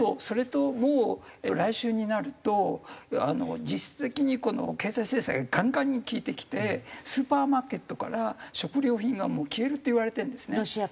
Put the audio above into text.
それともう来週になると実質的に経済制裁がガンガンに効いてきてスーパーマーケットから食料品が消えるっていわれてるんですね。